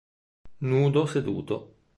Nudo seduto